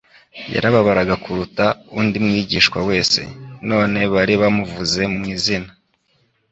Yarababaraga kuruta undi mwigishwa wese. None bari bamuvuze mu izina,